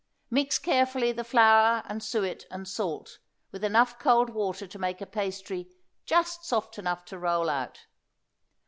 Mix carefully the flour and suet and salt with enough cold water to make a pastry just soft enough to roll out.